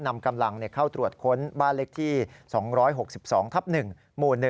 นำกำลังเข้าตรวจค้นบ้านเล็กที่๒๖๒ทับ๑หมู่๑